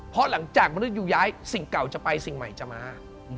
เพราะหลังจากมนุษยูย้ายสิ่งเก่าจะไปสิ่งใหม่จะมา